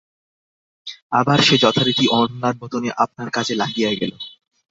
আবার সে যথারীতি অম্লানবদনে আপনার কাজে লাগিয়া গেল।